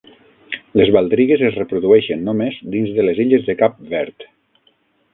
Les baldrigues es reprodueixen només dins de les Illes de Cap Verd.